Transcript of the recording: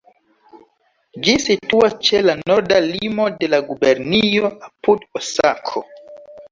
Ĝi situas ĉe la norda limo de la gubernio, apud Osako.